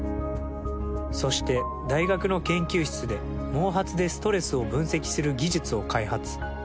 そして大学の研究室で毛髪でストレスを分析する技術を開発。